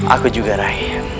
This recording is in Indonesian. aku juga rai